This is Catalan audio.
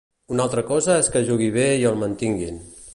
Una altra cosa és que jugui bé i el mantinguin.